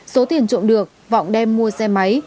số tiền trộm được vọng đem mua xe máy